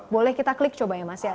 boleh kita klik coba ya mas ya